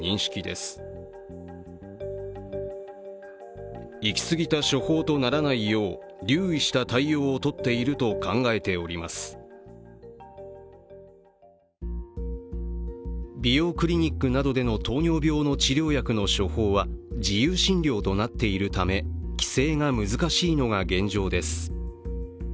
クリニックに取材を申し込むと美容クリニックなどでの糖尿病の治療薬の処方は自由診療となっているため規制が難しいのが現状です。